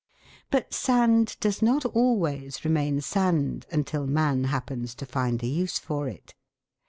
But sand does not always remain sand until man happens to find a use for it.